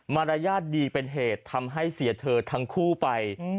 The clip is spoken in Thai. มารยาทดีเป็นเหตุทำให้เสียเธอทั้งคู่ไป